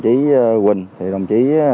có nhớ mẹ nhiều không